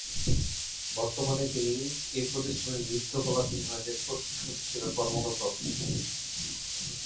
বর্তমানে তিনি এ প্রতিষ্ঠানের নৃত্যকলা বিভাগের প্রশিক্ষক হিসেবে কর্মরত।